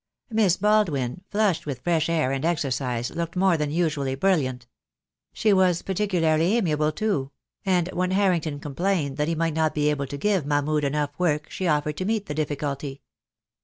Miss Baldwin, flushed with fresh air and exercise, looked more than usually brilliant. She was particularly amiable too; and when Harrington complained that he might not be able to give Mahmud enough work she offered to meet the difficulty.